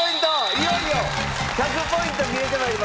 いよいよ１００ポイント見えてまいりました。